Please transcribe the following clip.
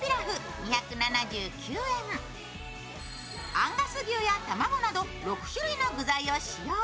アンガス牛や卵など６種類の具材を使用。